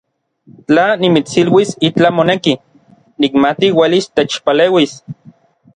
Tla nimitsiluis itlaj moneki, nikmati uelis techpaleuis.